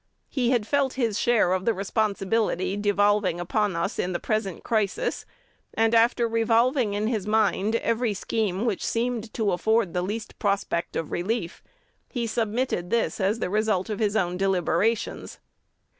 He had felt his share of the responsibility devolving upon us in the present crisis; and, after revolving in his mind every scheme which seemed to afford the least prospect of relief, he submitted this as the result of his own deliberations.